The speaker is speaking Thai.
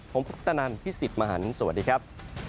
ผมพุทธนันทร์พี่สิบมหานสวัสดีครับ